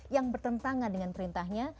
yang bertentangan dengan perintahnya